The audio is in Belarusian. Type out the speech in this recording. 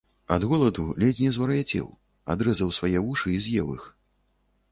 Ад голаду ледзь не звар’яцеў, адрэзаў свае вушы і з’еў іх